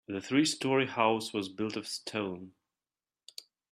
The three story house was built of stone.